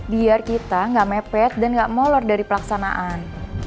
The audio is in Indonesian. biar kita nggak mepet dan gak molor dari pelaksanaan